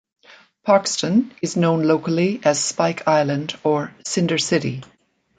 Parkeston is known locally as "Spike Island" or "Cinder City".